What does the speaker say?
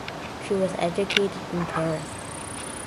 She was educated in Paris.